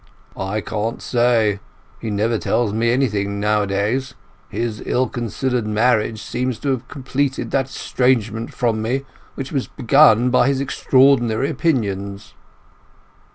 "I can't say. He never tells me anything nowadays. His ill considered marriage seems to have completed that estrangement from me which was begun by his extraordinary opinions."